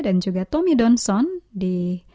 juga tommy donson di